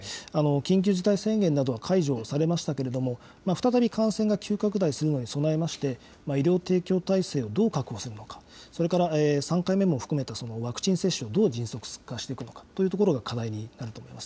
緊急事態宣言などは解除されましたけれども、再び感染が急拡大するのに備えまして、医療提供体制をどう確保するのか、それから３回目も含めて、ワクチン接種をどう迅速化していくのかというところも課題になると思います。